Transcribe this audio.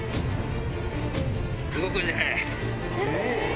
動くんじゃねえ。